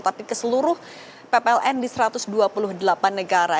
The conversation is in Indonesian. tapi ke seluruh ppln di satu ratus dua puluh delapan negara